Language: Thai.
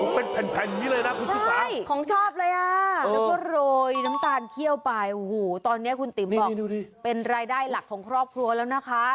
มีน้ำตาลเที่ยวไปตอนนี้คุณติ๋มบอกเป็นรายได้หลักของครอบครัวแล้วนะคะ